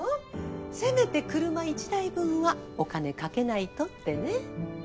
せめて車１台分はお金かけないとってね。